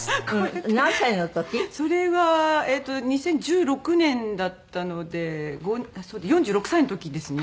それは２０１６年だったので４６歳の時ですね。